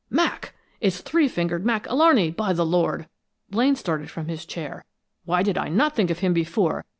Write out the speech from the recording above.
'" "Mac! It's three fingered Mac Alarney, by the Lord!" Blaine started from his chair. "Why did I not think of him before!